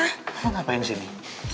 kamu ngapain disini